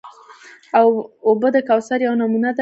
اوبه د کوثر یوه نمونه ده.